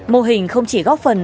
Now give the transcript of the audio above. mô hình không chỉ góp phần